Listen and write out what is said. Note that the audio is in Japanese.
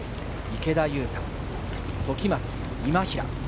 池田勇太、時松、今平。